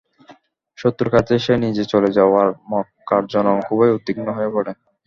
শত্রুর কাছে সে নিজে চলে যাওয়ায় মক্কার জনগণ খুবই উদ্বিগ্ন হয়ে পড়ে।